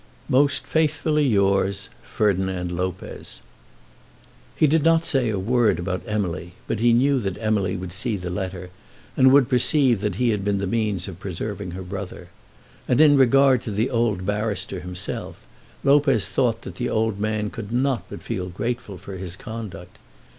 Most faithfully yours, FERDINAND LOPEZ. He did not say a word about Emily, but he knew that Emily would see the letter and would perceive that he had been the means of preserving her brother; and, in regard to the old barrister himself, Lopez thought that the old man could not but feel grateful for his conduct.